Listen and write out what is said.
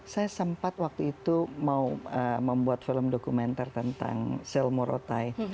saya sempat waktu itu mau membuat film dokumenter tentang sel morotai